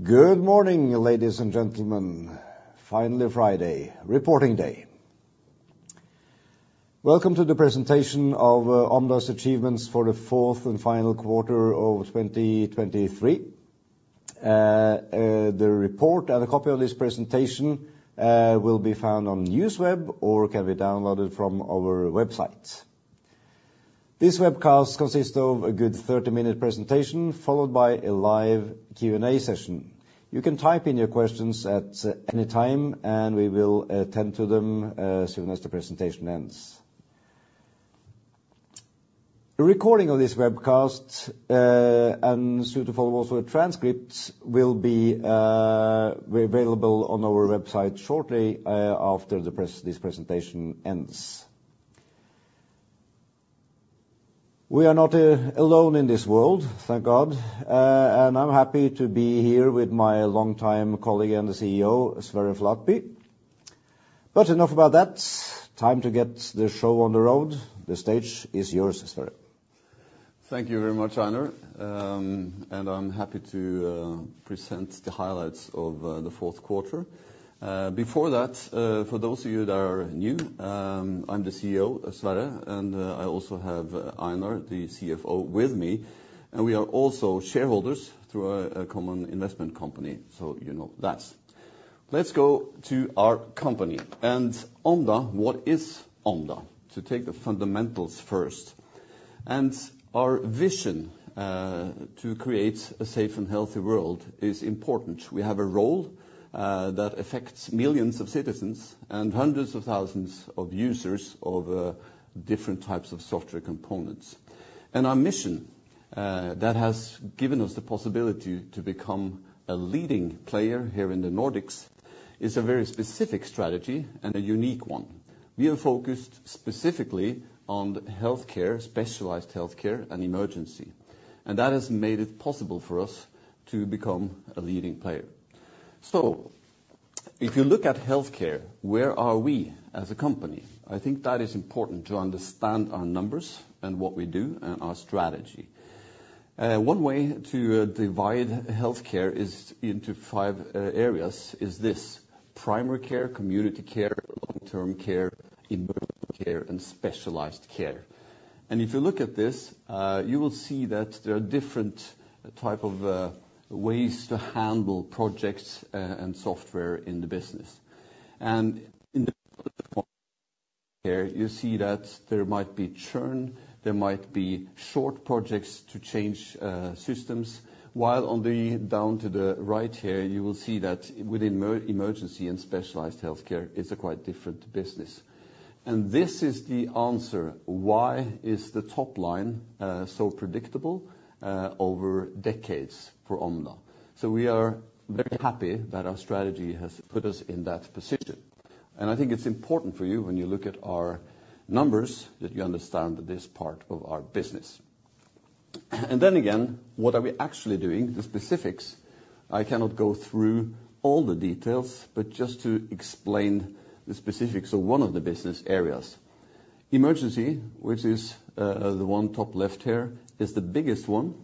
Good morning, ladies and gentlemen. Finally Friday, reporting day. Welcome to the presentation of Omda's achievements for the fourth and final quarter of 2023. The report and a copy of this presentation will be found on Newsweb or can be downloaded from our website. This webcast consists of a good 30-minute presentation followed by a live Q&A session. You can type in your questions at any time, and we will attend to them as soon as the presentation ends. A recording of this webcast and, suitably also, a transcript will be available on our website shortly after this presentation ends. We are not alone in this world, thank God. I'm happy to be here with my longtime colleague and the CEO, Sverre Flatby. Enough about that. Time to get the show on the road. The stage is yours, Sverre. Thank you very much, Einar. I'm happy to present the highlights of the fourth quarter. Before that, for those of you that are new, I'm the CEO, Sverre, and I also have Einar, the CFO, with me. We are also shareholders through a common investment company, so you know that. Let's go to our company. Omda, what is Omda? To take the fundamentals first. Our vision to create a safe and healthy world is important. We have a role that affects millions of citizens and hundreds of thousands of users of different types of software components. Our mission that has given us the possibility to become a leading player here in the Nordics is a very specific strategy and a unique one. We have focused specifically on healthcare, specialized healthcare, and Emergency. That has made it possible for us to become a leading player. So, if you look at healthcare, where are we as a company? I think that is important to understand our numbers and what we do and our strategy. One way to divide healthcare into five areas is this: primary care, community care, long-term care, Emergency care, and specialized care. If you look at this, you will see that there are different types of ways to handle projects and software in the business. In the primary care, you see that there might be churn, there might be short projects to change systems, while on the down to the right here, you will see that within Emergency and specialized healthcare, it's a quite different business. This is the answer: why is the top line so predictable over decades for Omda? We are very happy that our strategy has put us in that position. I think it's important for you, when you look at our numbers, that you understand that this is part of our business. And then again, what are we actually doing? The specifics. I cannot go through all the details, but just to explain the specifics of one of the business areas. Emergency, which is the one top left here, is the biggest one.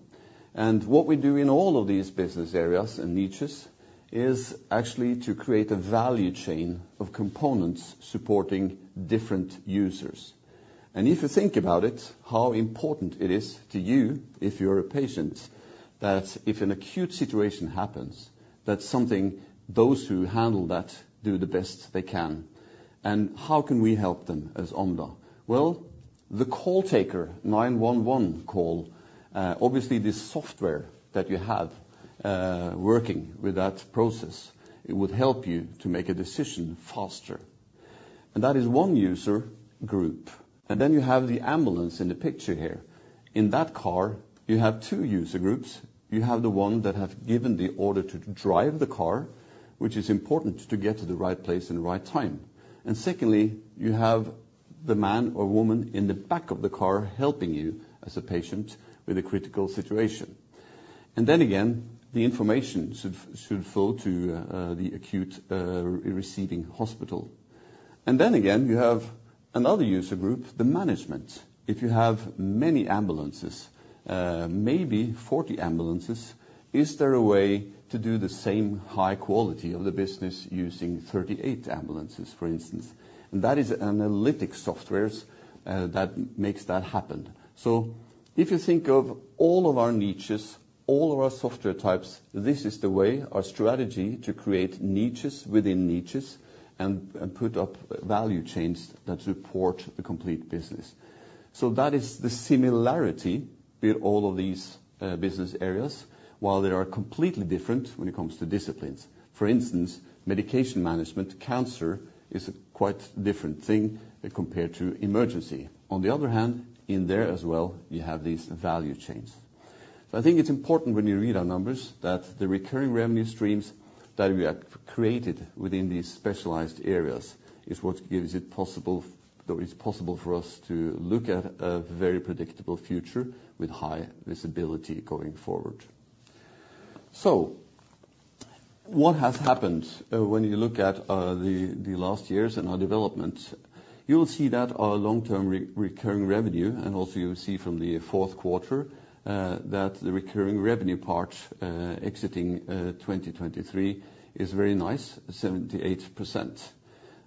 And what we do in all of these business areas and niches is actually to create a value chain of components supporting different users. And if you think about it, how important it is to you, if you are a patient, that if an acute situation happens, that something those who handle that do the best they can. And how can we help them as Omda? Well, the call taker, 911 call, obviously the software that you have working with that process, it would help you to make a decision faster. That is one user group. Then you have the ambulance in the picture here. In that car, you have two user groups. You have the one that has given the order to drive the car, which is important to get to the right place in the right time. And secondly, you have the man or woman in the back of the car helping you as a patient with a critical situation. Then again, the information should flow to the acute receiving hospital. Then again, you have another user group, the management. If you have many ambulances, maybe 40 ambulances, is there a way to do the same high quality of the business using 38 ambulances, for instance? And that is analytic software that makes that happen. So, if you think of all of our niches, all of our software types, this is the way, our strategy to create niches within niches and put up value chains that support the complete business. So that is the similarity with all of these business areas, while they are completely different when it comes to disciplines. For instance, Medication Management, cancer, is a quite different thing compared to Emergency. On the other hand, in there as well, you have these value chains. So I think it's important, when you read our numbers, that the recurring revenue streams that we have created within these specialized areas is what gives it possible for us to look at a very predictable future with high visibility going forward. So, what has happened when you look at the last years and our development? You will see that our long-term recurring revenue, and also you will see from the fourth quarter, that the recurring revenue part exiting 2023 is very nice, 78%.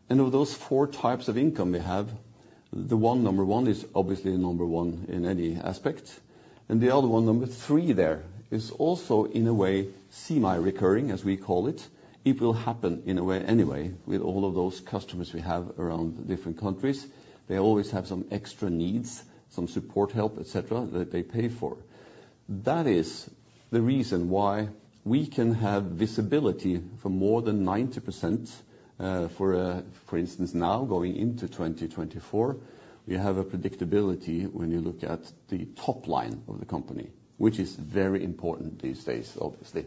And of those four types of income we have, the one number one is obviously number one in any aspect. And the other one, number three there, is also in a way semi-recurring, as we call it. It will happen in a way anyway, with all of those customers we have around different countries. They always have some extra needs, some support help, etc., that they pay for. That is the reason why we can have visibility for more than 90% for instance now, going into 2024. We have a predictability when you look at the top line of the company, which is very important these days, obviously.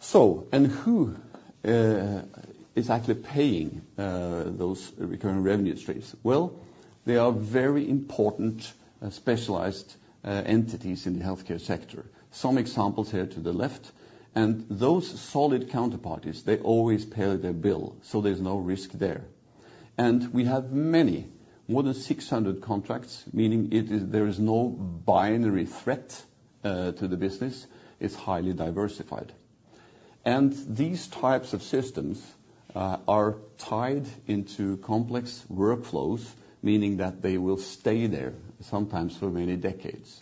So, and who is actually paying those recurring revenue streams? Well, there are very important specialized entities in the healthcare sector. Some examples here to the left. And those solid counterparties, they always pay their bill, so there is no risk there. And we have many, more than 600 contracts, meaning there is no binary threat to the business. It's highly diversified. And these types of systems are tied into complex workflows, meaning that they will stay there, sometimes for many decades.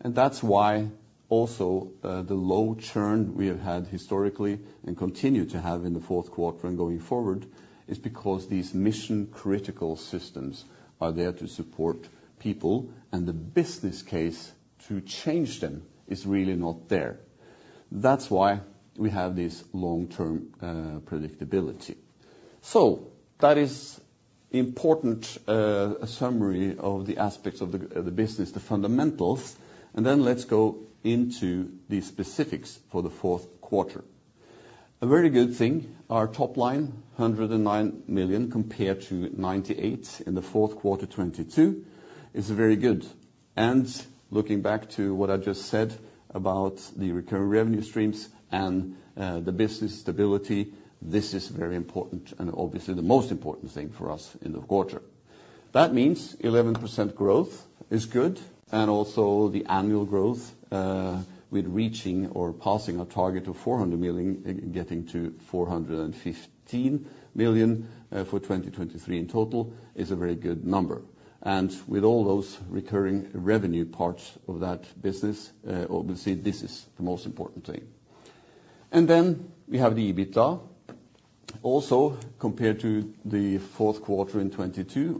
And that's why also the low churn we have had historically and continue to have in the fourth quarter and going forward is because these mission-critical systems are there to support people, and the business case to change them is really not there. That's why we have this long-term predictability. So, that is an important summary of the aspects of the business, the fundamentals. And then let's go into the specifics for the fourth quarter. A very good thing: our top line, 109 million compared to 98 million in the fourth quarter 2022, is very good. And looking back to what I just said about the recurring revenue streams and the business stability, this is very important and obviously the most important thing for us in the quarter. That means 11% growth is good, and also the annual growth with reaching or passing our target of 400 million, getting to 415 million for 2023 in total, is a very good number. And with all those recurring revenue parts of that business, obviously this is the most important thing. And then we have the EBITDA. Also, compared to the fourth quarter in 2022,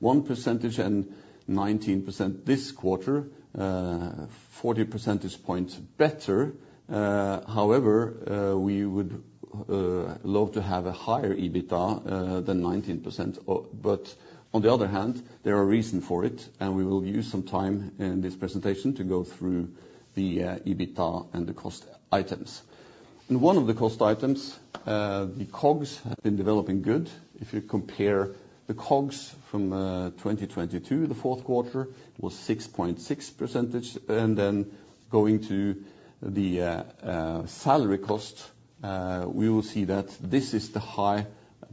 -21% and 19% this quarter, 40 percentage points better. However, we would love to have a higher EBITDA than 19%. But on the other hand, there is a reason for it, and we will use some time in this presentation to go through the EBITDA and the cost items. And one of the cost items, the COGS has been developing good. If you compare the COGS from 2022, the fourth quarter was 6.6%. And then going to the salary cost, we will see that this is the high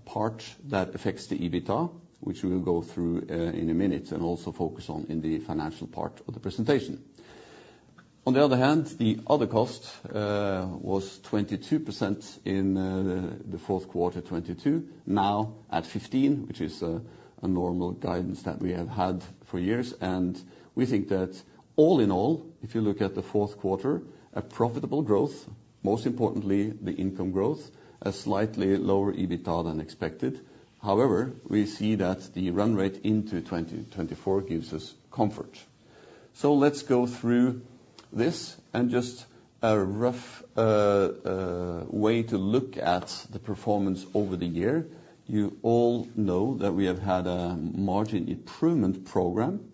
part that affects the EBITDA, which we will go through in a minute and also focus on in the financial part of the presentation. On the other hand, the other cost was 22% in the fourth quarter 2022, now at 15%, which is a normal guidance that we have had for years. And we think that all in all, if you look at the fourth quarter, a profitable growth, most importantly the income growth, a slightly lower EBITDA than expected. However, we see that the run rate into 2024 gives us comfort. So let's go through this and just a rough way to look at the performance over the year. You all know that we have had a margin improvement program.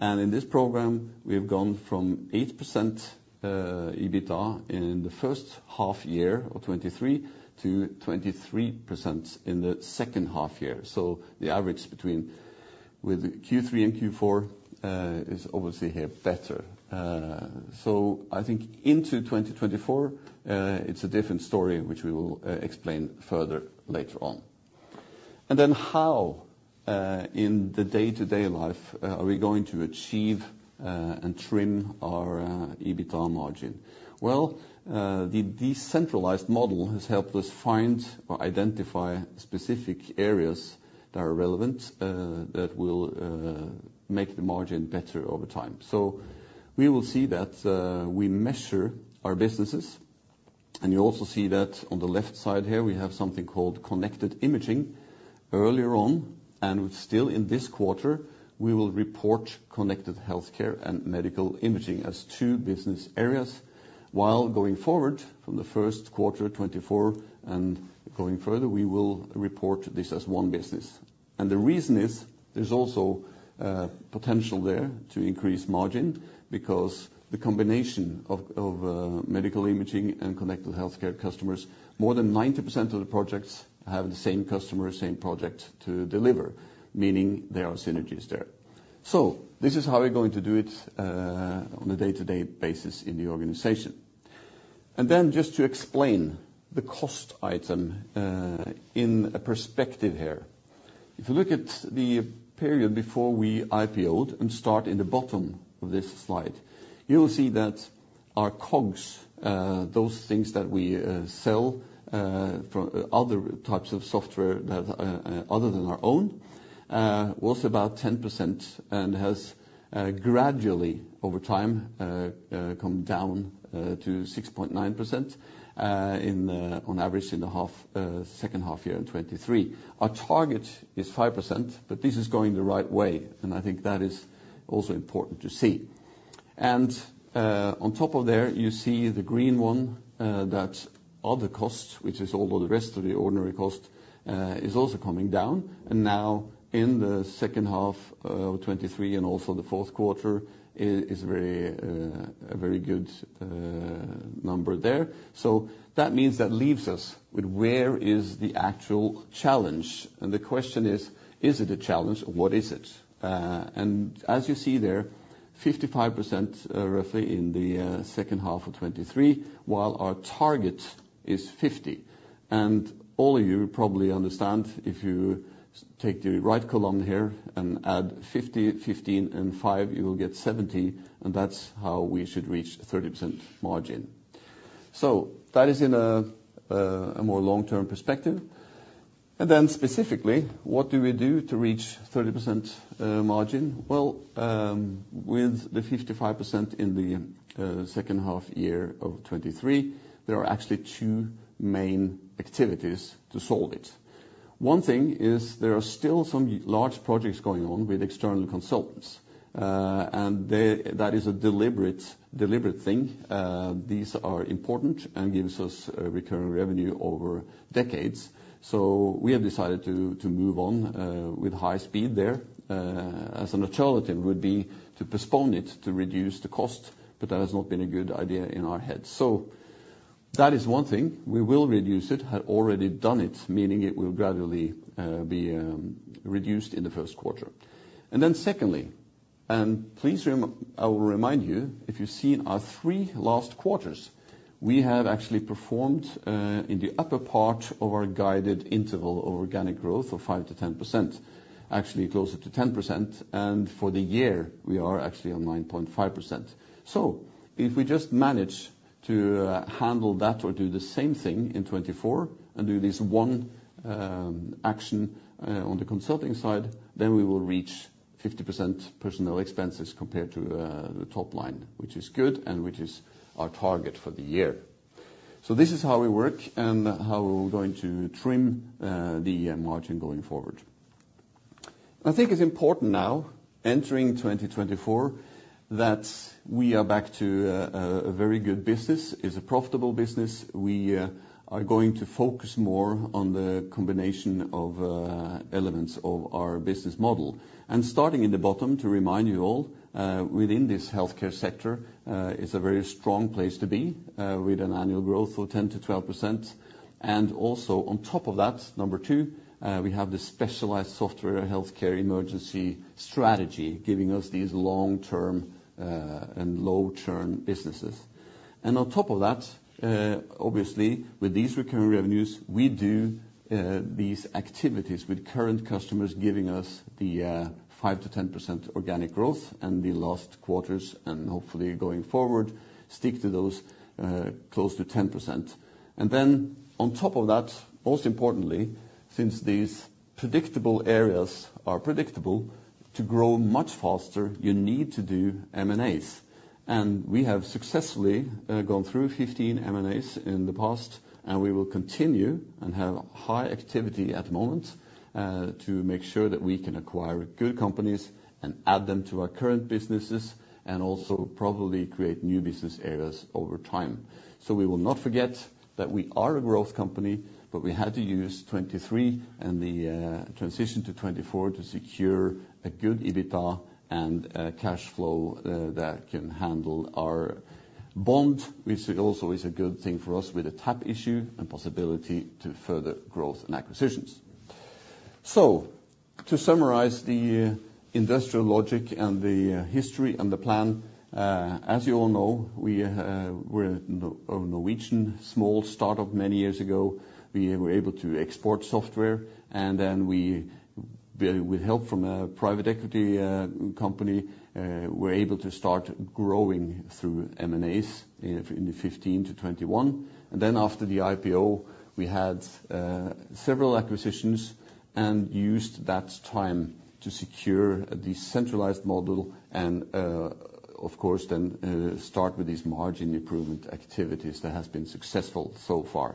In this program, we have gone from 8% EBITDA in the first half year of 2023 to 23% in the second half year. So the average between Q3 and Q4 is obviously here better. So I think into 2024, it's a different story, which we will explain further later on. And then how, in the day-to-day life, are we going to achieve and trim our EBITDA margin? Well, the decentralized model has helped us find or identify specific areas that are relevant, that will make the margin better over time. So we will see that we measure our businesses. You also see that on the left side here, we have something called Connected Imaging earlier on. Still in this quarter, we will report Connected Healthcare and Medical Imaging as two business areas. While going forward, from the first quarter 2024 and going further, we will report this as one business. The reason is, there is also potential there to increase margin, because the combination of Medical Imaging and Connected Healthcare customers, more than 90% of the projects have the same customer, same project to deliver, meaning there are synergies there. So, this is how we are going to do it on a day-to-day basis in the organization. Then just to explain the cost item in perspective here. If you look at the period before we IPO'd and start in the bottom of this slide, you will see that our COGS, those things that we sell from other types of software other than our own, was about 10% and has gradually, over time, come down to 6.9% on average in the second half year in 2023. Our target is 5%, but this is going the right way, and I think that is also important to see. And on top of there, you see the green one that other cost, which is all of the rest of the ordinary cost, is also coming down. And now, in the second half of 2023 and also the fourth quarter, it is a very good number there. So that means that leaves us with where is the actual challenge. And the question is, is it a challenge or what is it? And as you see there, 55% roughly in the second half of 2023, while our target is 50%. And all of you probably understand, if you take the right column here and add 50%, 15%, and 5%, you will get 70%. And that's how we should reach 30% margin. So that is in a more long-term perspective. And then specifically, what do we do to reach 30% margin? Well, with the 55% in the second half year of 2023, there are actually two main activities to solve it. One thing is, there are still some large projects going on with external consultants. And that is a deliberate thing. These are important and give us recurring revenue over decades. So we have decided to move on with high speed there. A natural item would be to postpone it, to reduce the cost, but that has not been a good idea in our heads. So that is one thing. We will reduce it, have already done it, meaning it will gradually be reduced in the first quarter. And then secondly, and please I will remind you, if you have seen our three last quarters, we have actually performed in the upper part of our guided interval of organic growth of 5%-10%, actually closer to 10%. And for the year, we are actually on 9.5%. So, if we just manage to handle that or do the same thing in 2024 and do this one action on the consulting side, then we will reach 50% personnel expenses compared to the top line, which is good and which is our target for the year. So this is how we work and how we are going to trim the margin going forward. I think it's important now, entering 2024, that we are back to a very good business, is a profitable business. We are going to focus more on the combination of elements of our business model. Starting in the bottom, to remind you all, within this healthcare sector is a very strong place to be, with an annual growth of 10%-12%. Also, on top of that, number two, we have the specialized software healthcare Emergency strategy, giving us these long-term and low-churn businesses. On top of that, obviously, with these recurring revenues, we do these activities with current customers giving us the 5%-10% organic growth. The last quarters and hopefully going forward, stick to those close to 10%. And then, on top of that, most importantly, since these predictable areas are predictable, to grow much faster, you need to do M&As. And we have successfully gone through 15 M&As in the past, and we will continue and have high activity at the moment to make sure that we can acquire good companies and add them to our current businesses, and also probably create new business areas over time. So we will not forget that we are a growth company, but we had to use 2023 and the transition to 2024 to secure a good EBITDA and cash flow that can handle our bond, which also is a good thing for us with a tap issue and possibility to further growth and acquisitions. So, to summarize the industrial logic and the history and the plan, as you all know, we were a Norwegian small startup many years ago. We were able to export software. Then we, with help from a private equity company, were able to start growing through M&As in 2015 to 2021. Then after the IPO, we had several acquisitions and used that time to secure the centralized model and, of course, then start with these margin improvement activities that have been successful so far.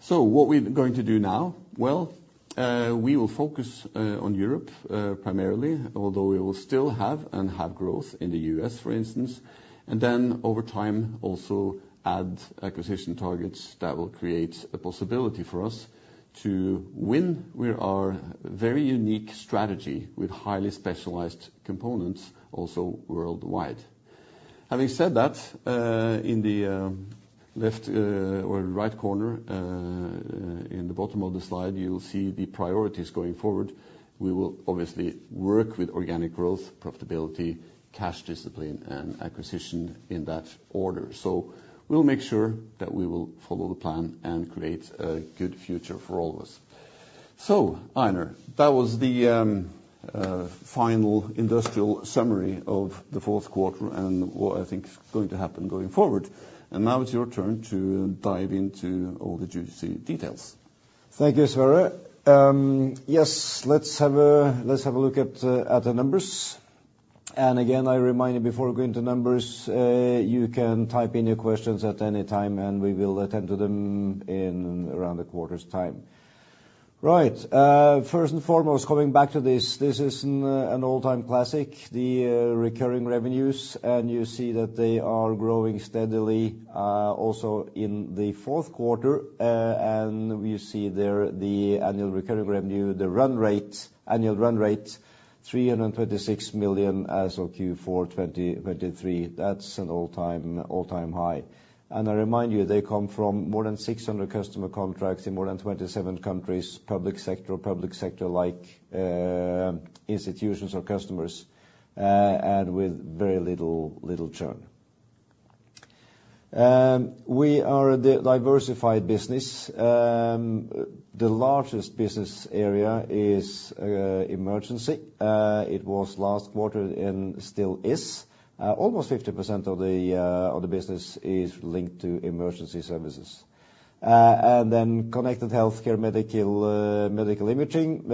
So what are we going to do now? Well, we will focus on Europe primarily, although we will still have and have growth in the U.S., for instance. Then over time, also add acquisition targets that will create a possibility for us to win with our very unique strategy with highly specialized components also worldwide. Having said that, in the left or right corner, in the bottom of the slide, you will see the priorities going forward. We will obviously work with organic growth, profitability, cash discipline, and acquisition in that order. So we will make sure that we will follow the plan and create a good future for all of us. So, Einar, that was the final financial summary of the fourth quarter and what I think is going to happen going forward. And now it's your turn to dive into all the juicy details. Thank you, Sverre. Yes, let's have a look at the numbers. And again, I remind you, before we go into numbers, you can type in your questions at any time and we will attend to them around the quarter's time. Right, first and foremost, coming back to this, this is an all-time classic, the recurring revenues. And you see that they are growing steadily also in the fourth quarter. We see there the annual recurring revenue, the run rate, annual run rate, 326 million as of Q4 2023. That's an all-time high. I remind you, they come from more than 600 customer contracts in more than 27 countries, public sector or public sector-like institutions or customers, and with very little churn. We are a diversified business. The largest business area is Emergency. It was last quarter and still is. Almost 50% of the business is linked to Emergency services. And then Connected Healthcare, Medical Imaging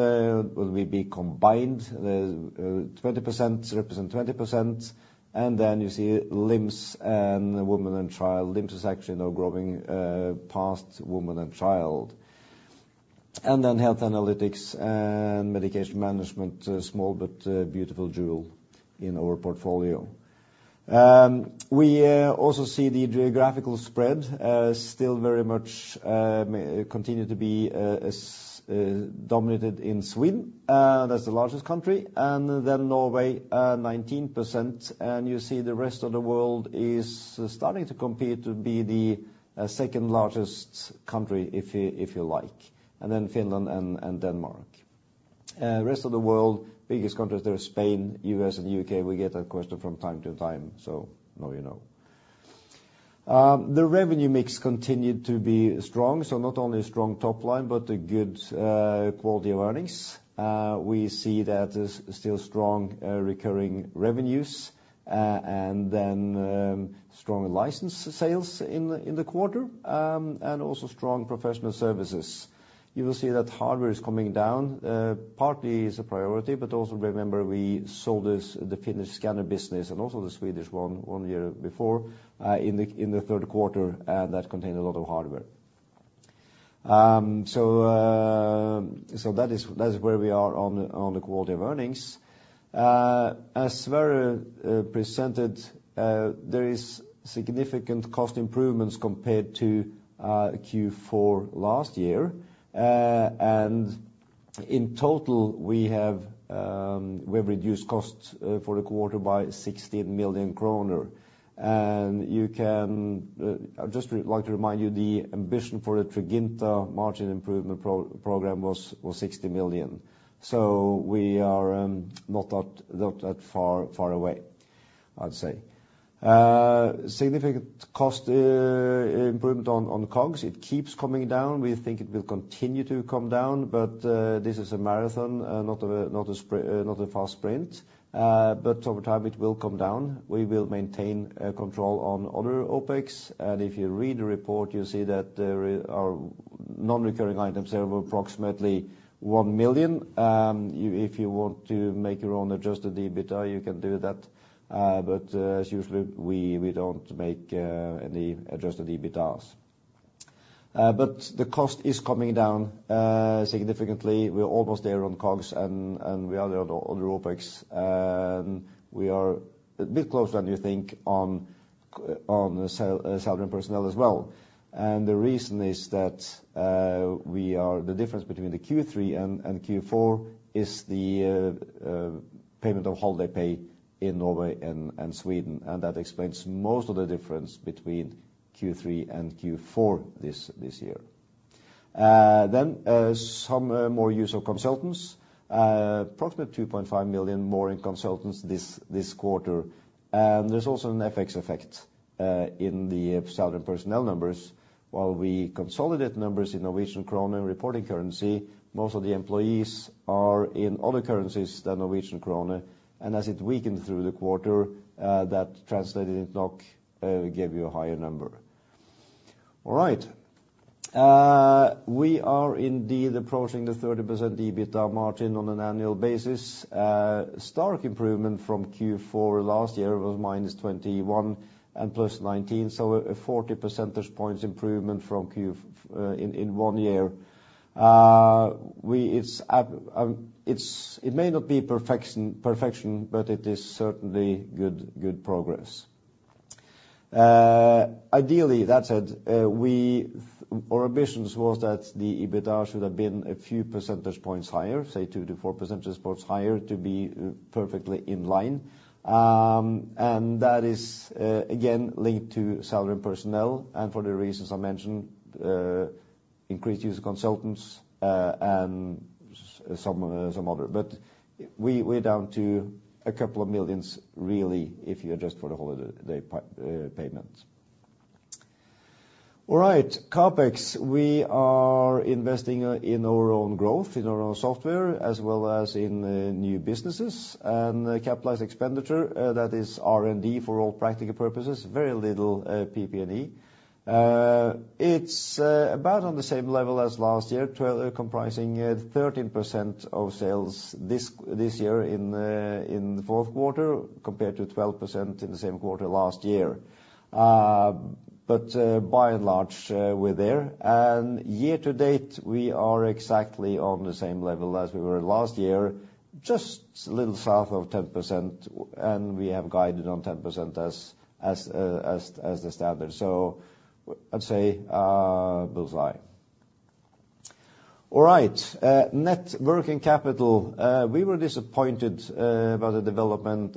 will be combined, represent 20%. And then you see LIMS and Women and Child. LIMS is actually now growing past Women and Child. And then Health Analytics and Medication Management, a small but beautiful jewel in our portfolio. We also see the geographical spread still very much continue to be dominated in Sweden. That's the largest country. And then Norway, 19%. You see the rest of the world is starting to compete to be the second largest country, if you like. Then Finland and Denmark. The rest of the world, biggest countries, there are Spain, U.S., and U.K. We get that question from time to time, so now you know. The revenue mix continued to be strong, so not only a strong top line, but a good quality of earnings. We see that there's still strong recurring revenues and then strong license sales in the quarter, and also strong professional services. You will see that hardware is coming down, partly as a priority, but also remember we sold the Finnish scanner business and also the Swedish one one year before in the third quarter, and that contained a lot of hardware. So that is where we are on the quality of earnings. As Sverre presented, there are significant cost improvements compared to Q4 last year. In total, we have reduced costs for the quarter by 16 million kroner. I would just like to remind you, the ambition for the Treinta margin improvement programme was 60 million. We are not that far away, I would say. Significant cost improvement on COGS. It keeps coming down. We think it will continue to come down, but this is a marathon, not a fast sprint. Over time, it will come down. We will maintain control on other OPEX. If you read the report, you will see that our non-recurring items are approximately 1 million. If you want to make your own adjusted EBITDA, you can do that. As usual, we don't make any adjusted EBITDAs. The cost is coming down significantly. We are almost there on COGS and we are there on other OPEX. We are a bit closer than you think on salary and personnel as well. The reason is that the difference between the Q3 and Q4 is the payment of holiday pay in Norway and Sweden. That explains most of the difference between Q3 and Q4 this year. Some more use of consultants, approximately 2.5 million more in consultants this quarter. There's also an FX effect in the salary and personnel numbers. While we consolidate numbers in Norwegian krone, reporting currency, most of the employees are in other currencies than Norwegian krone. As it weakened through the quarter, that translated into NOK gave you a higher number. All right. We are indeed approaching the 30% EBITDA margin on an annual basis. Stark improvement from Q4 last year was -21 and +19, so a 40 percentage point improvement from in one year. It may not be perfection, but it is certainly good progress. Ideally, that said, our ambition was that the EBITDA should have been a few percentage points higher, say 2%-4% points higher, to be perfectly in line. That is, again, linked to salary and personnel and for the reasons I mentioned, increased use of consultants and some other. We are down to a couple of 2 million, really, if you adjust for the holiday payments. All right, CapEx. We are investing in our own growth, in our own software, as well as in new businesses and capitalized expenditure. That is R&D for all practical purposes, very little PP&E. It's about on the same level as last year, comprising 13% of sales this year in the fourth quarter compared to 12% in the same quarter last year. But by and large, we're there. And year to date, we are exactly on the same level as we were last year, just a little south of 10%. And we have guided on 10% as the standard. So I would say bullseye. All right, Net Working Capital. We were disappointed about the development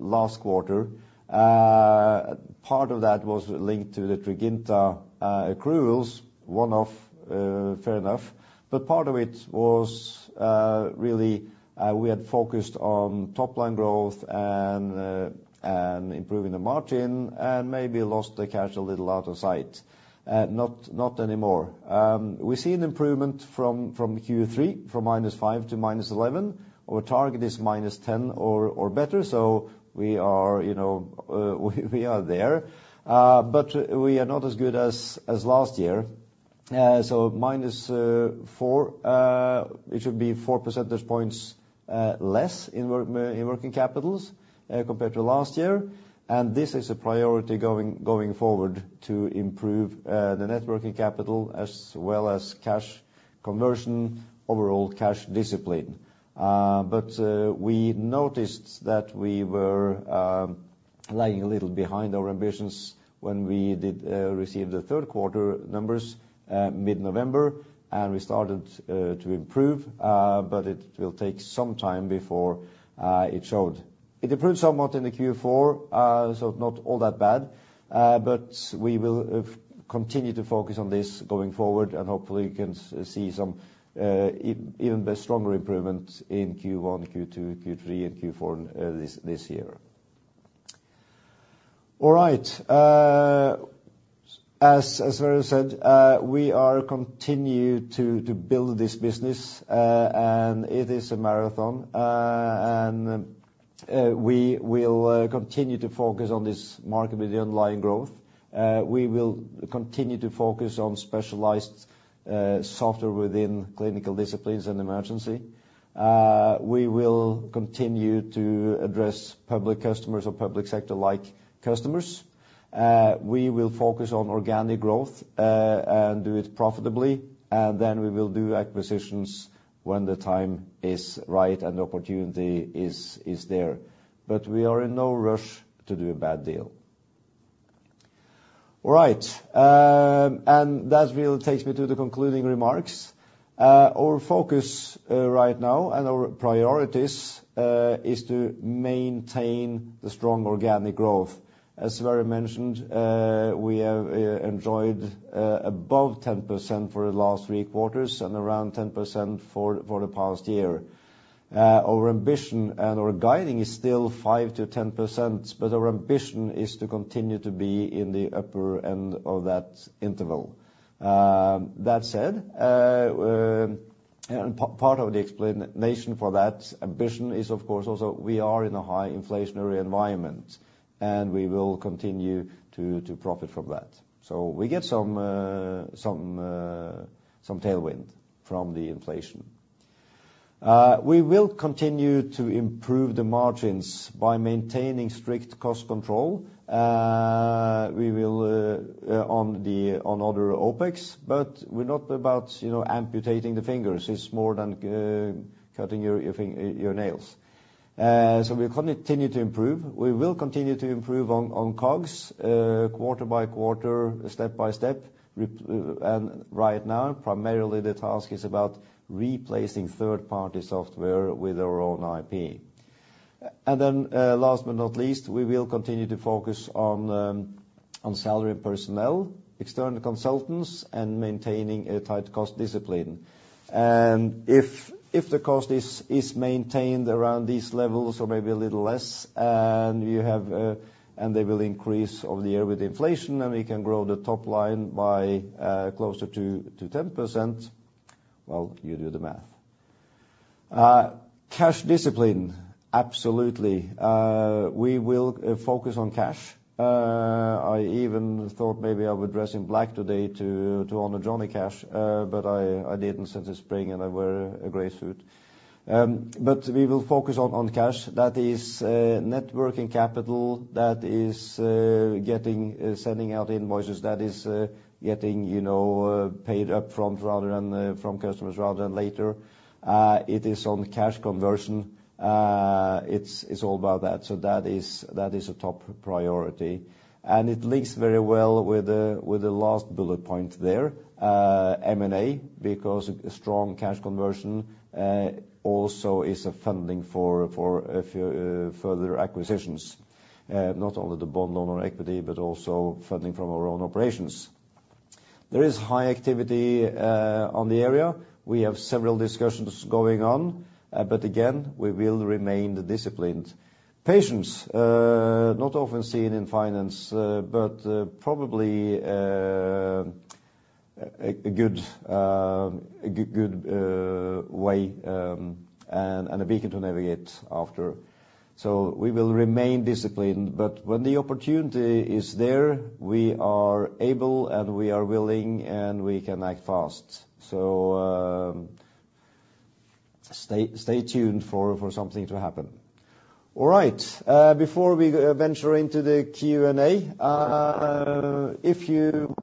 last quarter. Part of that was linked to the Treinta accruals, one-off, fair enough. But part of it was really we had focused on top line growth and improving the margin and maybe lost the cash a little out of sight. Not anymore. We've seen improvement from Q3, from -5 to -11. Our target is -10 or better, so we are there. But we are not as good as last year. So, -4, it should be four percentage points less in working capital compared to last year. And this is a priority going forward to improve the Net Working Capital as well as cash conversion, overall cash discipline. But we noticed that we were lagging a little behind our ambitions when we received the third quarter numbers mid-November. And we started to improve, but it will take some time before it showed. It improved somewhat in the Q4, so not all that bad. But we will continue to focus on this going forward. And hopefully, you can see some even stronger improvement in Q1, Q2, Q3, and Q4 this year. All right. As Sverre said, we are continuing to build this business. And it is a marathon. And we will continue to focus on this market with the online growth. We will continue to focus on specialized software within clinical disciplines and Emergency. We will continue to address public customers or public sector-like customers. We will focus on organic growth and do it profitably. Then we will do acquisitions when the time is right and the opportunity is there. But we are in no rush to do a bad deal. All right. That really takes me to the concluding remarks. Our focus right now and our priorities is to maintain the strong organic growth. As Sverre mentioned, we have enjoyed above 10% for the last three quarters and around 10% for the past year. Our ambition and our guiding is still 5%-10%, but our ambition is to continue to be in the upper end of that interval. That said, part of the explanation for that ambition is, of course, also we are in a high inflationary environment. We will continue to profit from that. We get some tailwind from the inflation. We will continue to improve the margins by maintaining strict cost control. We will on other OPEX, but we're not about amputating the fingers. It's more than cutting your nails. We will continue to improve. We will continue to improve on COGS quarter by quarter, step by step. Right now, primarily the task is about replacing third-party software with our own IP. Then last but not least, we will continue to focus on salary and personnel, external consultants, and maintaining a tight cost discipline. If the cost is maintained around these levels or maybe a little less and they will increase over the year with inflation and we can grow the top line by closer to 10%, well, you do the math. Cash discipline, absolutely. We will focus on cash. I even thought maybe I would dress in black today to honor Johnny Cash, but I didn't since it's spring and I wear a gray suit. We will focus on cash. That is net working capital. That is sending out invoices. That is getting paid upfront rather than from customers rather than later. It is on cash conversion. It's all about that. That is a top priority. It links very well with the last bullet point there, M&A, because strong cash conversion also is funding for further acquisitions. Not only the bond loan or equity, but also funding from our own operations. There is high activity on the area. We have several discussions going on. But again, we will remain disciplined. Patience, not often seen in finance, but probably a good way and a beacon to navigate after. So we will remain disciplined. But when the opportunity is there, we are able and we are willing and we can act fast. So stay tuned for something to happen. All right. Before we venture into the Q&A, if you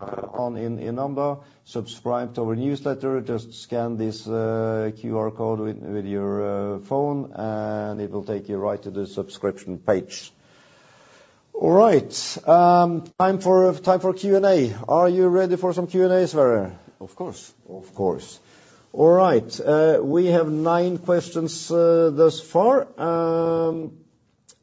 are on in Omda, subscribe to our newsletter. Just scan this QR code with your phone and it will take you right to the subscription page. All right. Time for Q&A. Are you ready for some Q&A, Sverre? Of course. Of course. All right. We have nine questions thus far.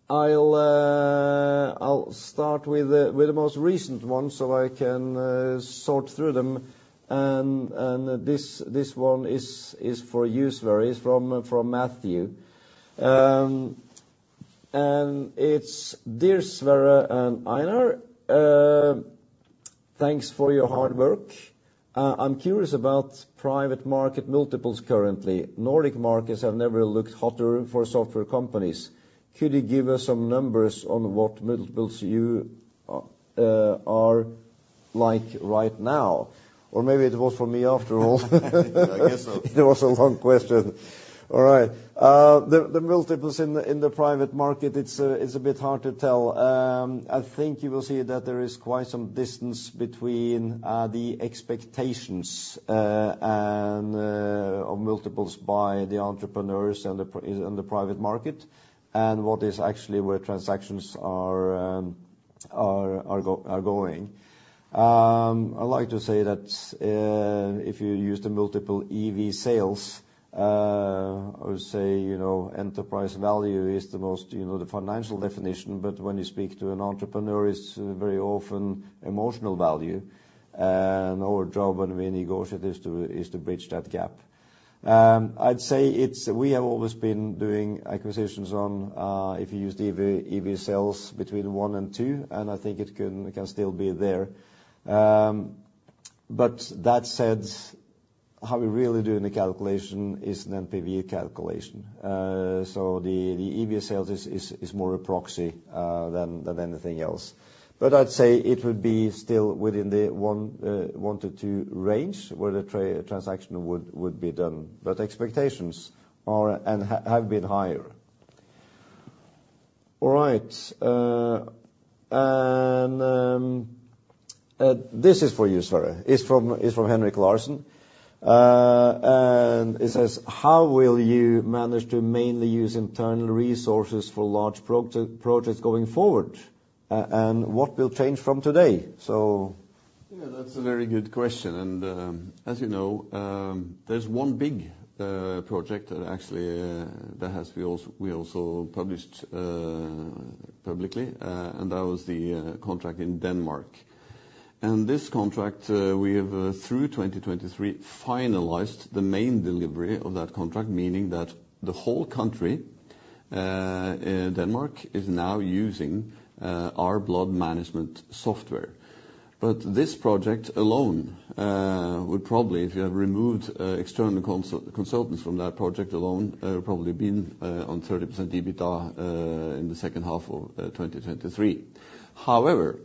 I'll start with the most recent one so I can sort through them. This one is for you, Sverre, from Matthew. It's: "Dear Sverre and Einar, thanks for your hard work. I'm curious about private market multiples currently. Nordic markets have never looked hotter for software companies. Could you give us some numbers on what multiples you are like right now?" Or maybe it was for me after all. I guess so. It was a long question. All right. The multiples in the private market, it's a bit hard to tell. I think you will see that there is quite some distance between the expectations of multiples by the entrepreneurs and the private market and what is actually where transactions are going. I like to say that if you use the multiple EV sales, I would say enterprise value is the most financial definition. But when you speak to an entrepreneur, it's very often emotional value. And our job when we negotiate is to bridge that gap. I'd say we have always been doing acquisitions on, if you use the EV sales, between 1 and 2. And I think it can still be there. But that said, how we really do the calculation is an NPV calculation. So the EV sales is more a proxy than anything else. But I'd say it would be still within the 1%-2% range where the transaction would be done. But expectations are and have been higher. All right. And this is for you, Sverre. It's from Henrik Larsen. And it says: "How will you manage to mainly use internal resources for large projects going forward? And what will change from today?" So. Yeah, that's a very good question. As you know, there's one big project actually that we also published publicly. That was the contract in Denmark. This contract, we have through 2023 finalized the main delivery of that contract, meaning that the whole country, Denmark, is now using our blood management software. But this project alone would probably, if you had removed external consultants from that project alone, it would probably have been on 30% EBITDA in the second half of 2023. However,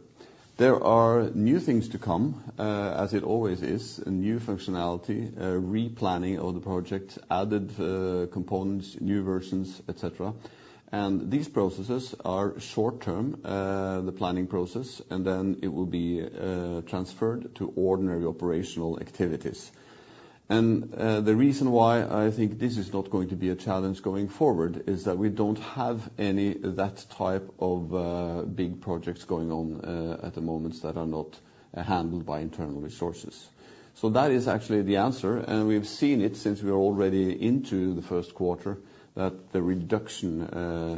there are new things to come, as it always is, new functionality, replanning of the project, added components, new versions, etc. These processes are short-term, the planning process. Then it will be transferred to ordinary operational activities. The reason why I think this is not going to be a challenge going forward is that we don't have any of that type of big projects going on at the moment that are not handled by internal resources. That is actually the answer. We've seen it since we were already into the first quarter, that the reduction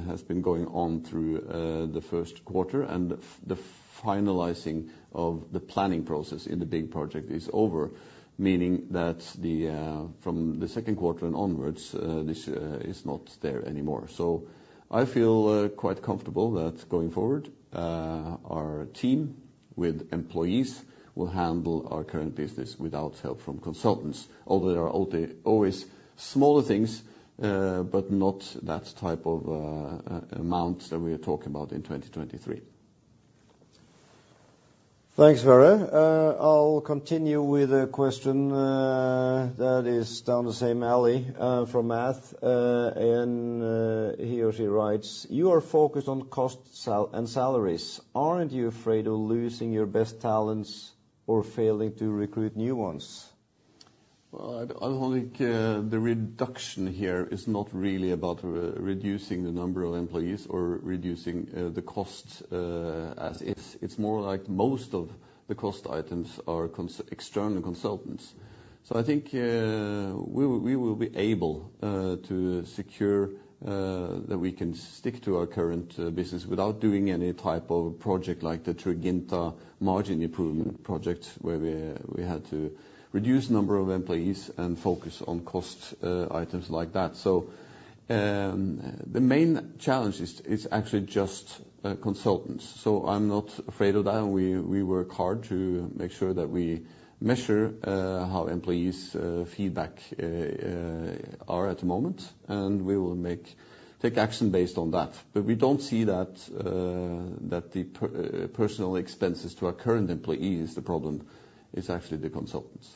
has been going on through the first quarter. The finalizing of the planning process in the big project is over, meaning that from the second quarter and onwards, this is not there anymore. I feel quite comfortable that going forward, our team with employees will handle our current business without help from consultants. Although there are always smaller things, but not that type of amount that we are talking about in 2023. Thanks, Sverre. I'll continue with a question that is down the same alley from Matthew. He or she writes: "You are focused on cost and salaries. Aren't you afraid of losing your best talents or failing to recruit new ones?" Well, I don't think the reduction here is not really about reducing the number of employees or reducing the cost as is. It's more like most of the cost items are external consultants. So I think we will be able to secure that we can stick to our current business without doing any type of project like the Treinta margin improvement project, where we had to reduce the number of employees and focus on cost items like that. So the main challenge is actually just consultants. So I'm not afraid of that. And we work hard to make sure that we measure how employees' feedback are at the moment. And we will take action based on that. But we don't see that the personal expenses to our current employees is the problem. It's actually the consultants.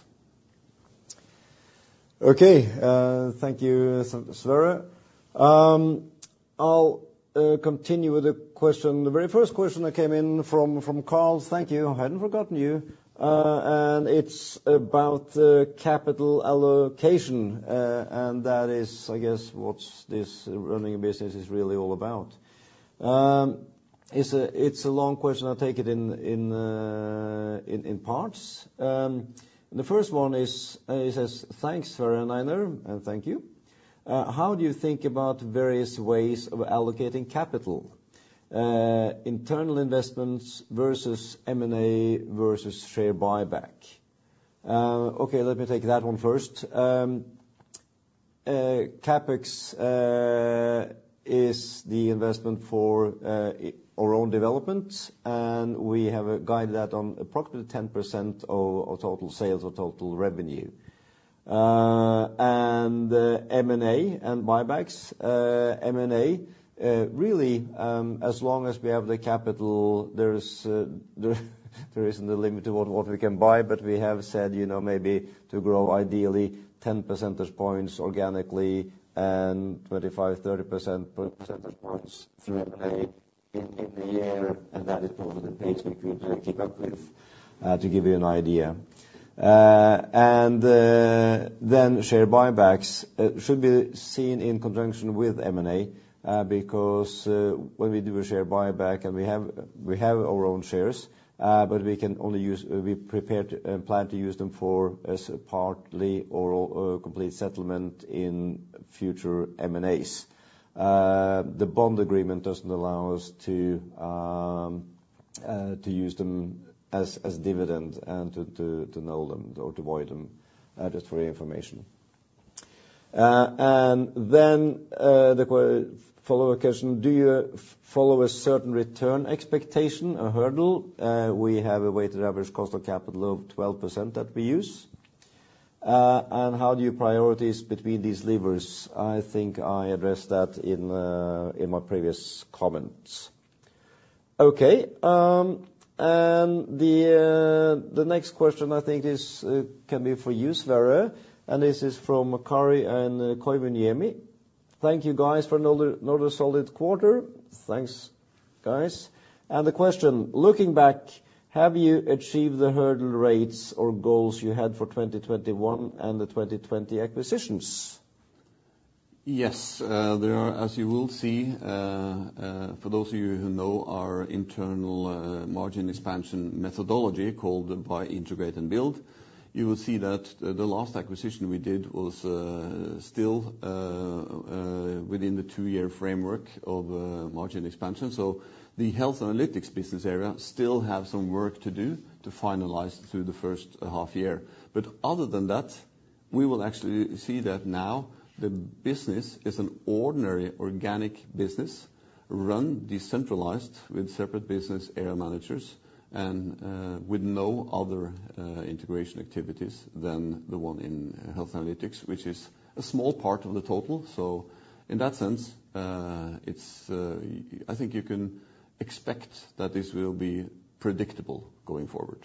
Okay. Thank you, Sverre. I'll continue with the question. The very first question that came in from Carl, thank you, I hadn't forgotten you. It's about capital allocation. That is, I guess, what this running a business is really all about. It's a long question. I'll take it in parts. The first one is: "Thanks, Sverre and Einar, and thank you. How do you think about various ways of allocating capital? Internal investments versus M&A versus share buyback?" Okay, let me take that one first. CapEx is the investment for our own development. We have guided that on approximately 10% of total sales or total revenue. M&A and buybacks, M&A, really, as long as we have the capital, there isn't a limit to what we can buy. But we have said maybe to grow ideally 10 percentage points organically and 25%, 30% percentage points through M&A in the year. That is probably the pace we could keep up with, to give you an idea. Share buybacks should be seen in conjunction with M&A, because when we do a share buyback and we have our own shares, but we can only use, we prepare to and plan to use them for partly or complete settlement in future M&As. The bond agreement doesn't allow us to use them as dividends and to null them or to void them, just for your information. Then the follow-up question: "Do you follow a certain return expectation, a hurdle?" We have a weighted average cost of capital of 12% that we use. "And how do you prioritize between these levers?" I think I addressed that in my previous comments. Okay. The next question I think can be for you, Sverre. This is from Kari Koivuniemi: "Thank you, guys, for another solid quarter." Thanks, guys. The question: "Looking back, have you achieved the hurdle rates or goals you had for 2021 and the 2020 acquisitions?" Yes. As you will see, for those of you who know our internal margin expansion methodology called Buy Integrate and Build, you will see that the last acquisition we did was still within the two-year framework of margin expansion. So the Health Analytics business area still has some work to do to finalize through the first half year. But other than that, we will actually see that now the business is an ordinary organic business, run decentralized with separate business area managers and with no other integration activities than the one in Health Analytics, which is a small part of the total. So in that sense, I think you can expect that this will be predictable going forward.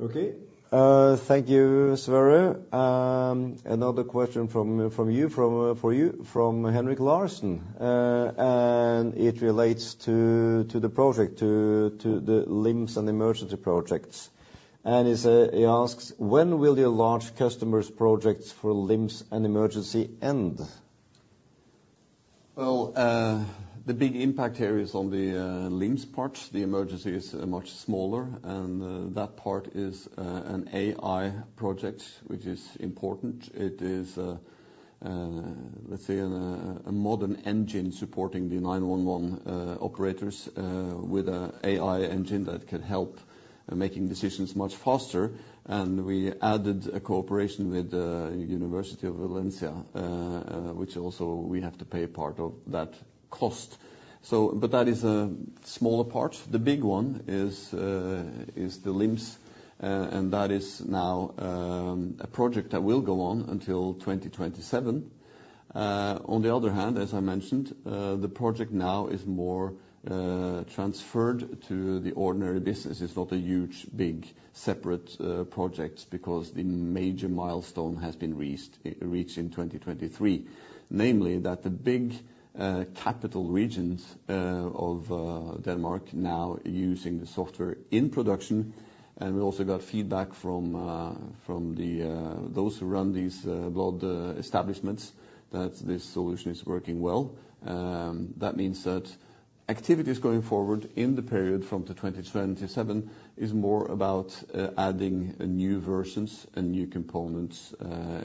Okay. Thank you, Sverre. Another question from you, for you, from Henrik Larsen. And it relates to the project, to the LIMS and Emergency projects. And he asks: "When will your large customers' projects for LIMS and Emergency end?" Well, the big impact area is on the LIMS part. The Emergency is much smaller. And that part is an AI project, which is important. It is, let's say, a modern engine supporting the 911 operators with an AI engine that could help making decisions much faster. We added a cooperation with the University of Valencia, which also we have to pay part of that cost. But that is a smaller part. The big one is the LIMS. And that is now a project that will go on until 2027. On the other hand, as I mentioned, the project now is more transferred to the ordinary business. It's not a huge, big separate project, because the major milestone has been reached in 2023. Namely, that the big capital regions of Denmark now are using the software in production. And we also got feedback from those who run these blood establishments that this solution is working well. That means that activities going forward in the period from 2027 is more about adding new versions, new components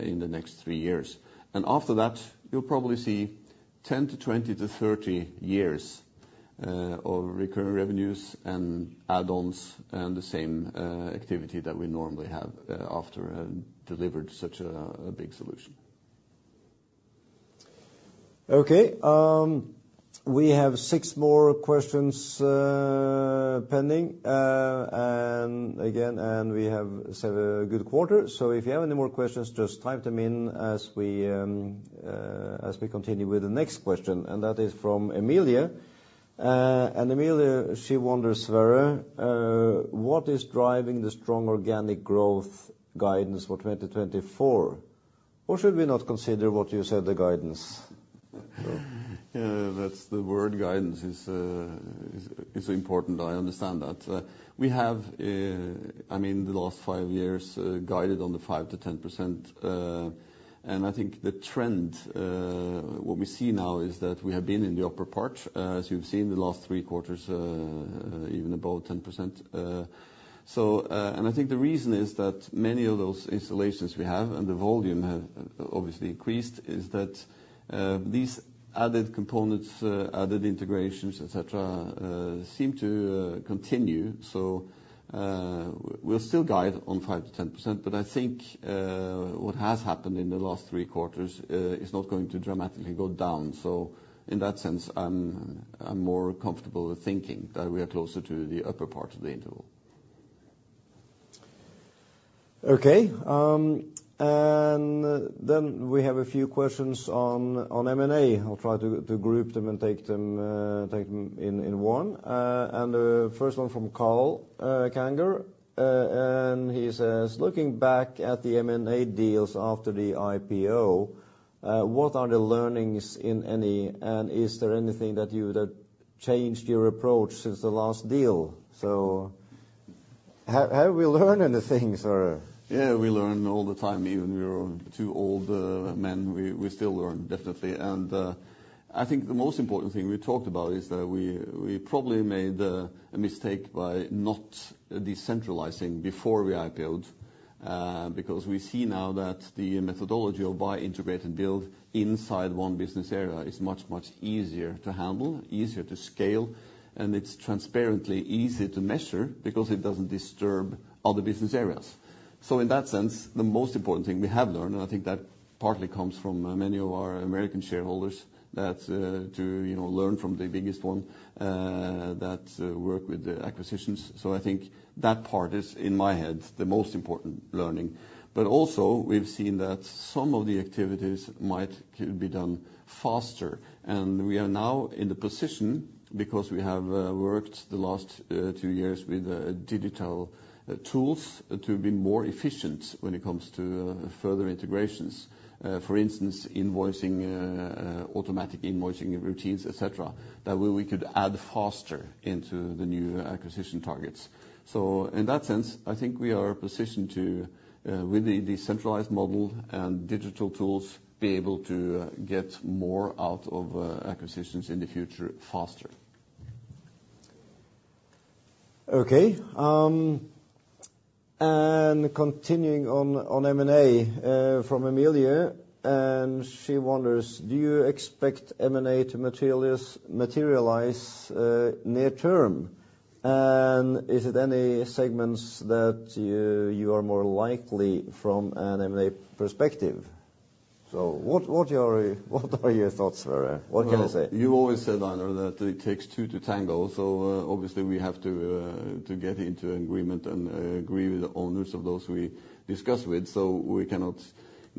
in the next three years. After that, you'll probably see 10%-20%-30% years of recurring revenues and add-ons and the same activity that we normally have after delivering such a big solution. Okay. We have six more questions pending. Again, we have a good quarter. If you have any more questions, just type them in as we continue with the next question. That is from Emilia. Emilia, she wonders, Sverre: "What is driving the strong organic growth guidance for 2024? Or should we not consider what you said, the guidance?" Yeah, that's the word guidance is important. I understand that. We have, I mean, the five years guided on the 5%-10%. I think the trend, what we see now, is that we have been in the upper part, as you've seen the last three quarters, even above 10%. And I think the reason is that many of those installations we have and the volume have obviously increased, is that these added components, added integrations, etc., seem to continue. So we'll still guide on 5%-10%. But I think what has happened in the last three quarters is not going to dramatically go down. So in that sense, I'm more comfortable with thinking that we are closer to the upper part of the interval. Okay. And then we have a few questions on M&A. I'll try to group them and take them in one. And the first one from Carl Kanger. And he says: "Looking back at the M&A deals after the IPO, what are the learnings in any? And is there anything that changed your approach since the last deal?" So have we learned anything, Sverre? Yeah, we learned all the time. Even we were too old men, we still learn, definitely. And I think the most important thing we talked about is that we probably made a mistake by not decentralizing before we IPOed. Because we see now that the methodology of Buy Integrate and Build inside one business area is much, much easier to handle, easier to scale. And it's transparently easy to measure, because it doesn't disturb other business areas. So in that sense, the most important thing we have learned, and I think that partly comes from many of our American shareholders, that to learn from the biggest one that work with the acquisitions. So I think that part is, in my head, the most important learning. But also, we've seen that some of the activities might be done faster. We are now in the position, because we have worked the last two years with digital tools, to be more efficient when it comes to further integrations. For instance, automatic invoicing routines, etc., that we could add faster into the new acquisition targets. So in that sense, I think we are positioned to, with the decentralized model and digital tools, be able to get more out of acquisitions in the future faster. Okay. And continuing on M&A, from Emilia. And she wonders: "Do you expect M&A to materialize near-term? And is it any segments that you are more likely from an M&A perspective?" So what are your thoughts, Sverre? What can you say? Well, you always said, Einar, that it takes two to tango. So obviously, we have to get into an agreement and agree with the owners of those we discuss with. So we cannot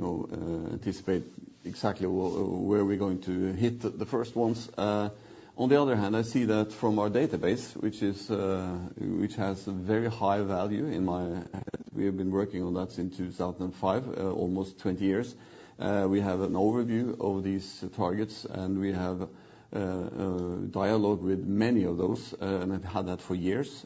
anticipate exactly where we're going to hit the first ones. On the other hand, I see that from our database, which has very high value in my head (we have been working on that since 2005, almost 20 years), we have an overview of these targets. And we have dialogue with many of those. And I've had that for years.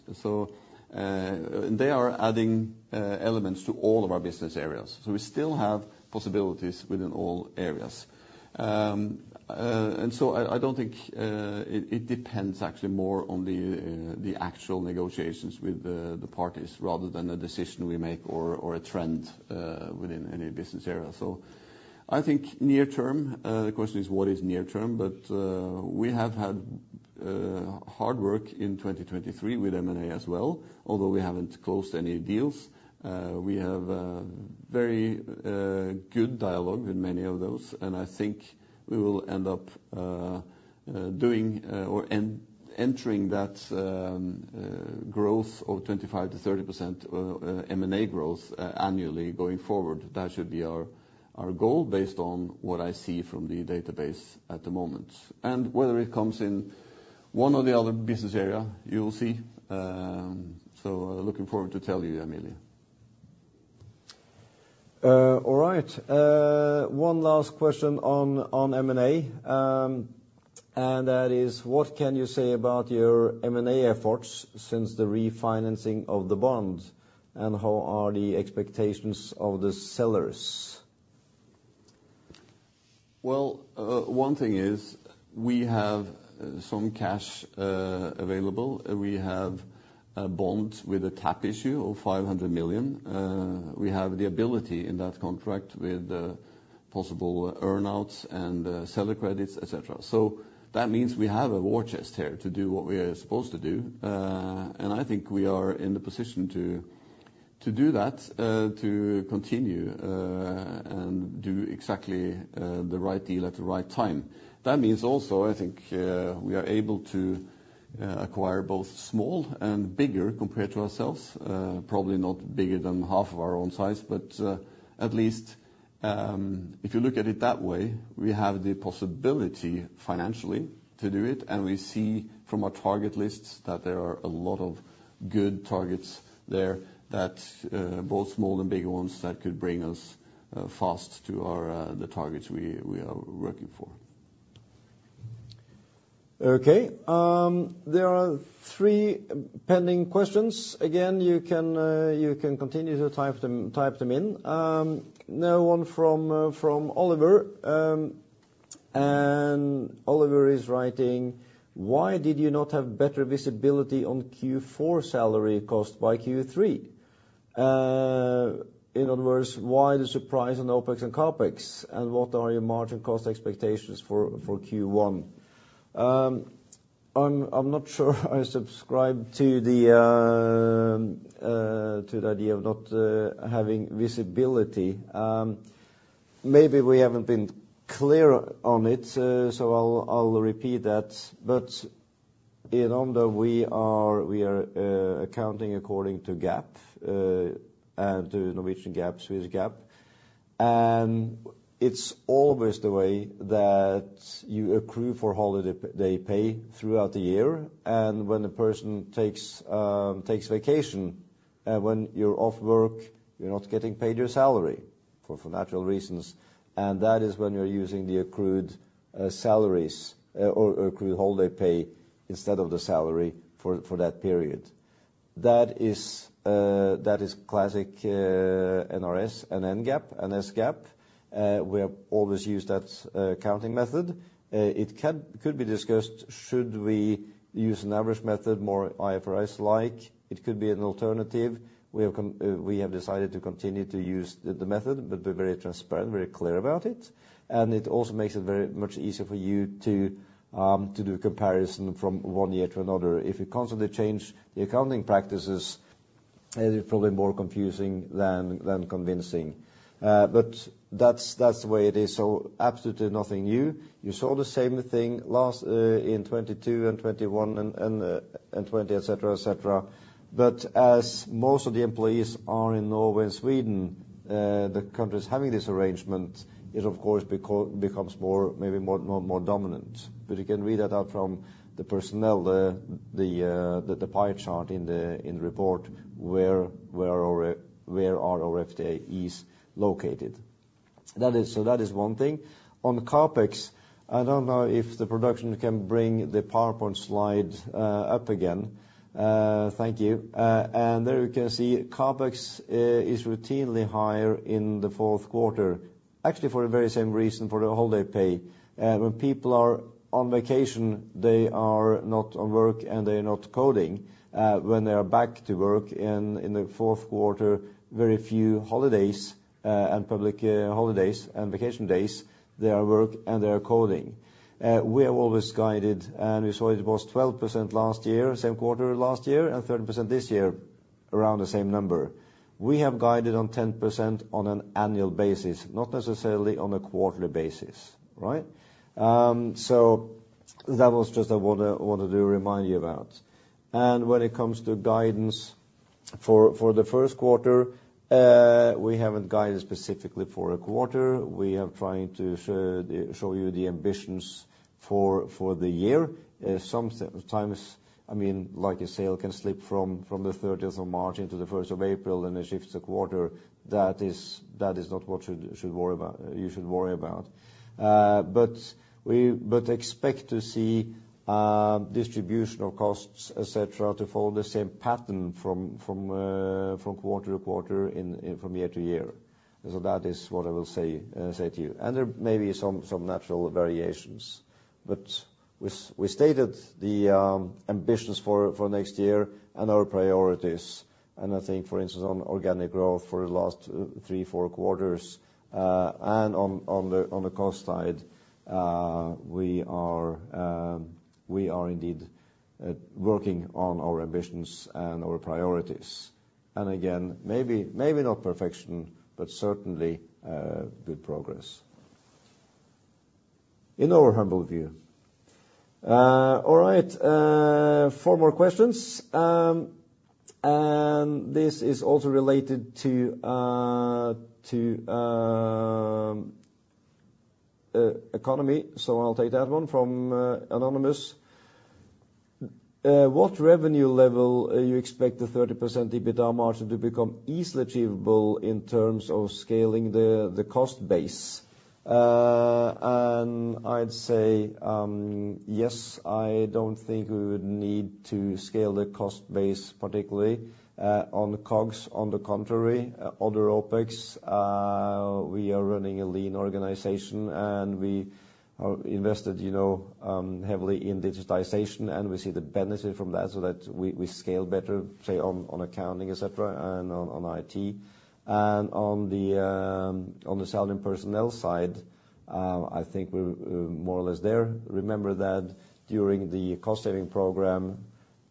And they are adding elements to all of our business areas. So we still have possibilities within all areas. And so I don't think it depends actually more on the actual negotiations with the parties, rather than a decision we make or a trend within any business area. So I think near-term (the question is what is near-term?), but we have had hard work in 2023 with M&A as well, although we haven't closed any deals. We have very good dialogue with many of those. And I think we will end up doing or entering that growth of 25%-30% M&A growth annually going forward. That should be our goal, based on what I see from the database at the moment. And whether it comes in one or the other business area, you will see. So looking forward to telling you, Emilia. All right. One last question on M&A. And that is: "What can you say about your M&A efforts since the refinancing of the bond? And how are the expectations of the sellers?" Well, one thing is we have some cash available. We have a bond with a tap issue of 500 million. We have the ability in that contract with possible earnouts and seller credits. So that means we have a war chest here to do what we are supposed to do. I think we are in the position to do that, to continue and do exactly the right deal at the right time. That means also, I think, we are able to acquire both small and bigger compared to ourselves. Probably not bigger than half of our own size. But at least, if you look at it that way, we have the possibility financially to do it. And we see from our target lists that there are a lot of good targets there, both small and bigger ones, that could bring us fast to the targets we are working for. Okay. There are three pending questions. Again, you can continue to type them in. Now, one from Oliver. And Oliver is writing: "Why did you not have better visibility on Q4 salary cost by Q3? In other words, why the surprise on OPEX and CapEx? And what are your margin cost expectations for Q1?" I'm not sure I subscribe to the idea of not having visibility. Maybe we haven't been clear on it. I'll repeat that. In Omda, we are accounting according to GAAP, and to Norwegian GAAP, Swedish GAAP. It's always the way that you accrue for holiday pay throughout the year. When a person takes vacation, when you're off work, you're not getting paid your salary for natural reasons. That is when you're using the accrued salaries or accrued holiday pay instead of the salary for that period. That is classic NRS and NGAAP, S-GAAP. We have always used that accounting method. It could be discussed should we use an average method more IFRS-like. It could be an alternative. We have decided to continue to use the method, but be very transparent, very clear about it. And it also makes it very much easier for you to do a comparison from one year to another. If you constantly change the accounting practices, it's probably more confusing than convincing. But that's the way it is. So absolutely nothing new. You saw the same thing in 2022 and 2021 and 2020, etc., etc. But as most of the employees are in Norway and Sweden, the country is having this arrangement. It, of course, becomes maybe more dominant. But you can read that out from the personnel, the pie chart in the report, where our FTEs are located. So that is one thing. On CapEx, I don't know if the production can bring the PowerPoint slide up again. Thank you. And there you can see CapEx is routinely higher in the fourth quarter, actually for the very same reason, for the holiday pay. When people are on vacation, they are not on work and they're not coding. When they are back to work in the fourth quarter, very few holidays and public holidays and vacation days, they are at work and they are coding. We have always guided. We saw it was 12% last year, same quarter last year, and 30% this year, around the same number. We have guided on 10% on an annual basis, not necessarily on a quarterly basis. Right? So that was just what I wanted to remind you about. When it comes to guidance for the first quarter, we haven't guided specifically for a quarter. We are trying to show you the ambitions for the year. Sometimes, I mean, like a sale can slip from the 30th of March into the 1st of April and it shifts a quarter. That is not what you should worry about. But expect to see distribution of costs, etc., to follow the same pattern from quarter to quarter, from year to year. So that is what I will say to you. And there may be some natural variations. But we stated the ambitions for next year and our priorities. And I think, for instance, on organic growth for the last three, four quarters. And on the cost side, we are indeed working on our ambitions and our priorities. And again, maybe not perfection, but certainly good progress, in our humble view. All right. 4 more questions. And this is also related to economy. So I'll take that one from Anonymous. What revenue level you expect the 30% EBITDA margin to become easily achievable in terms of scaling the cost base?" And I'd say yes, I don't think we would need to scale the cost base particularly on COGS. On the contrary, other OPEX, we are running a lean organization. And we are invested heavily in digitization. And we see the benefit from that so that we scale better, say, on accounting, etc., and on IT. And on the selling personnel side, I think we're more or less there. Remember that during the cost-saving program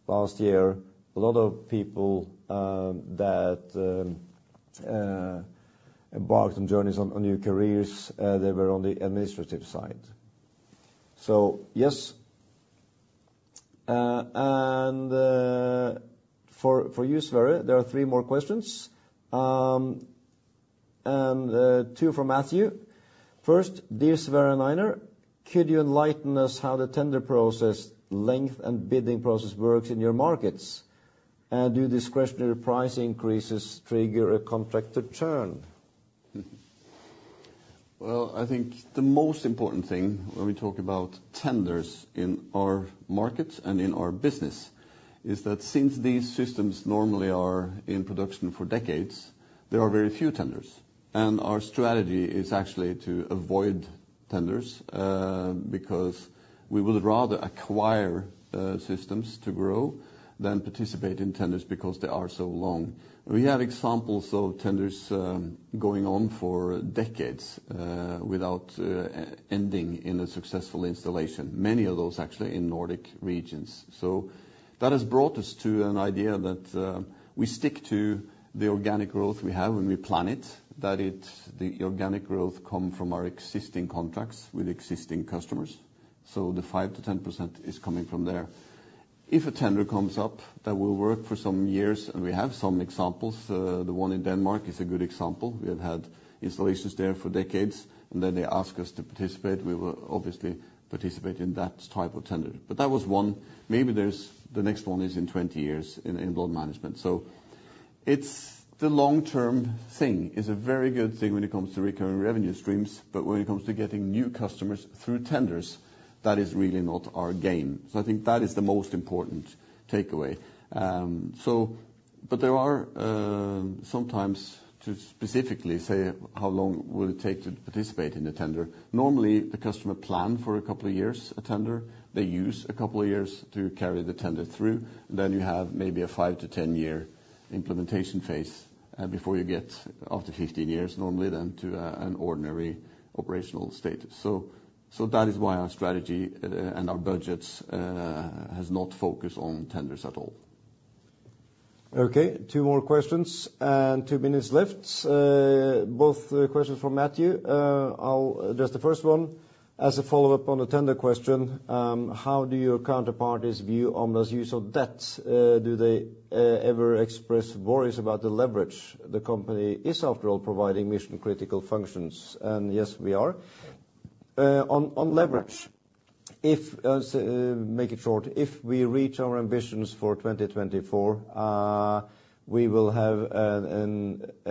last year, a lot of people that embarked on journeys on new careers, they were on the administrative side. So yes. And for you, Sverre, there are three more questions. And two from Matthew. First, dear Sverre and Einar, could you enlighten us how the tender process, length, and bidding process works in your markets? Do discretionary price increases trigger a contracted churn? Well, I think the most important thing when we talk about tenders in our markets and in our business is that since these systems normally are in production for decades, there are very few tenders. Our strategy is actually to avoid tenders, because we would rather acquire systems to grow than participate in tenders because they are so long. We have examples of tenders going on for decades without ending in a successful installation, many of those actually in Nordic regions. So that has brought us to an idea that we stick to the organic growth we have when we plan it, that the organic growth comes from our existing contracts with existing customers. So the 5%-10% is coming from there. If a tender comes up that will work for some years - and we have some examples, the one in Denmark is a good example we have had installations there for decades. And then they ask us to participate. We will obviously participate in that type of tender. But that was one. Maybe the next one is in 20 years in blood management. So the long-term thing is a very good thing when it comes to recurring revenue streams. But when it comes to getting new customers through tenders, that is really not our game. So I think that is the most important takeaway. But there are sometimes, to specifically say how long will it take to participate in a tender, normally the customer plans for a couple of years a tender. They use a couple of years to carry the tender through. Then you have maybe a 5-10-year implementation phase before you get after 1five years, normally then, to an ordinary operational status. That is why our strategy and our budgets have not focused on tenders at all. Okay. two more questions. two minutes left. Both questions from Matthew. Just the first one, as a follow-up on the tender question, how do your counterparties view Omda's use of debt? Do they ever express worries about the leverage? The company is, after all, providing mission-critical functions. Yes, we are. On leverage, make it short. If we reach our ambitions for 2024, we will have a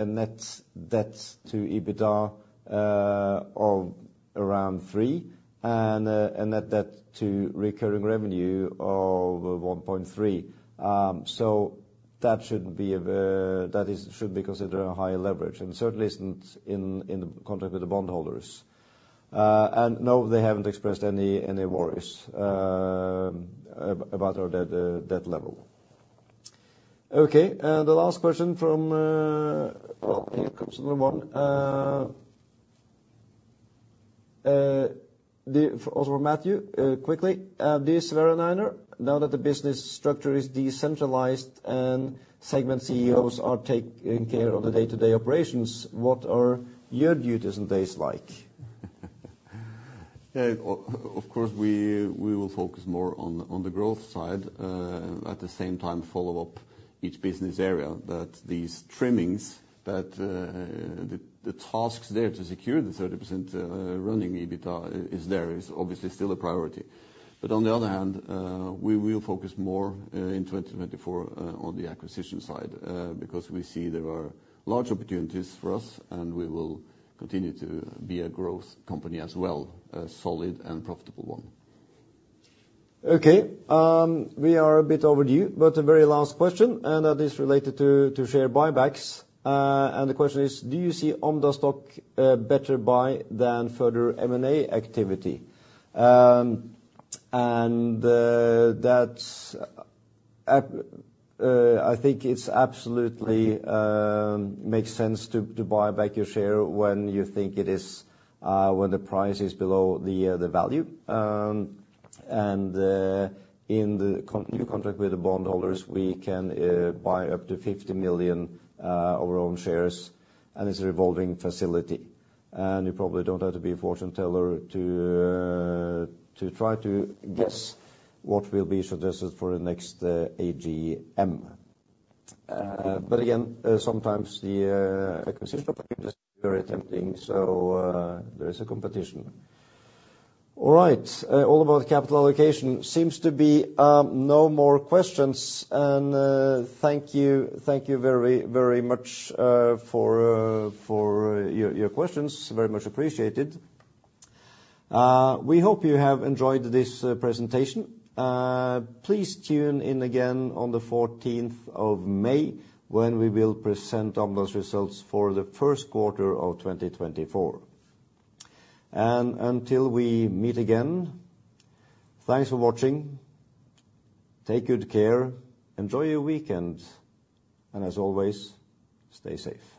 net debt to EBITDA of around 3% and a net debt to recurring revenue of 1.3%. That should be considered a high leverage, and certainly isn't in the contract with the bondholders. No, they haven't expressed any worries about our debt level. Okay. The last question from, well, here comes another one. Also from Matthew, quickly. Dear Sverre and Einar, now that the business structure is decentralized and segment CEOs are taking care of the day-to-day operations, what are your duties and days like? Of course, we will focus more on the growth side. At the same time, follow up each business area. That these trimmings, that the tasks there to secure the 30% running EBITDA is there, is obviously still a priority. On the other hand, we will focus more in 2024 on the acquisition side, because we see there are large opportunities for us. We will continue to be a growth company as well, a solid and profitable one. Okay. We are a bit overdue, but a very last question. That is related to share buybacks. The question is, do you see Omda stock better buy than further M&A activity? I think it absolutely makes sense to buy back your share when you think it is when the price is below the value. In the new contract with the bondholders, we can buy up to 50 million of our own shares. It's a revolving facility. You probably don't have to be a fortune teller to try to guess what will be suggested for the next AGM. But again, sometimes the acquisition packages are tempting. So there is a competition. All right. All about capital allocation. Seems to be no more questions. Thank you very, very much for your questions. Very much appreciated. We hope you have enjoyed this presentation. Please tune in again on the 14th of May when we will present Omda's results for the first quarter of 2024. Until we meet again, thanks for watching. Take good care. Enjoy your weekend. As always, stay safe.